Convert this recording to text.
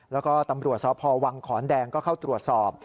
แล้วก็ตำรวจสพวังขอนแดงก็เข้าตรวจสอบ